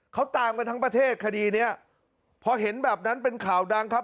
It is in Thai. เขาตามกันทั้งประเทศคดีเนี้ยพอเห็นแบบนั้นเป็นข่าวดังครับ